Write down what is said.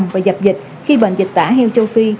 và dập dịch khi bệnh dịch tả heo châu phi